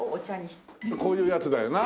こういうやつだよな。